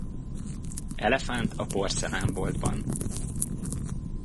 Elefánt a porcelánboltban.